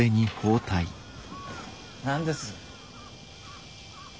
何です？